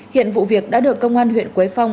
hiện vụ việc đã được công an huyện quế phong